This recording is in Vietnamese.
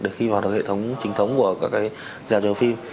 để khi vào được hệ thống chính thống của các giảm trường phim